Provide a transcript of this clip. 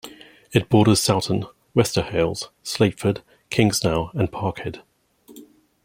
It borders Saughton, Wester Hailes, Slateford, Kingsknowe and Parkhead.